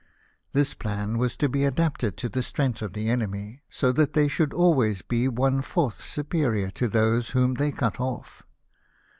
This plan was to be adapted to the strength of the enemy, so that they should always be one fourth superior to those whom they cut off.